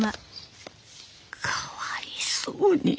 かわいそうに。